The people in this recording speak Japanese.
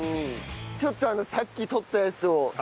ちょっとさっき採ったやつを。